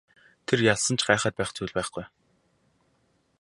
Тэр ялсан ч гайхаад байх зүйл байхгүй.